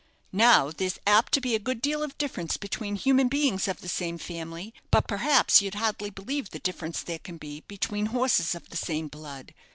Now, there's apt to be a good deal of difference between human beings of the same family; but perhaps you'd hardly believe the difference there can be between horses of the same blood.